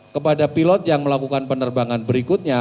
kepada pilot yang melakukan penerbangan berikutnya